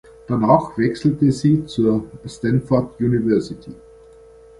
Danach wechselte sie zur Stanford University.